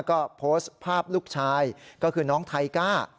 ก็โพสต์ภาพลูกชายก็คือน้องไทก้า